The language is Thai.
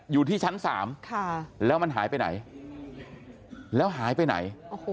อยู่ที่ชั้น๓แล้วมันหายไปไหนแล้วหายไปไหน